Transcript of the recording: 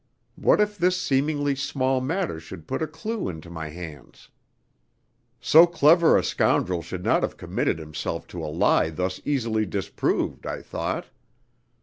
What if this seemingly small matter should put a clue into my hands. So clever a scoundrel should not have committed himself to a lie thus easily disproved, I thought.